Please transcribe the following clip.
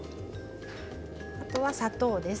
あとは砂糖です。